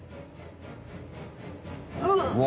うわ！